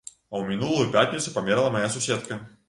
А ў мінулую пятніцу памерла мая суседка.